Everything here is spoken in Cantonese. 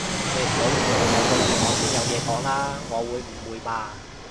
你唔好剩係對住我先有嘢講啦，我會誤會嘛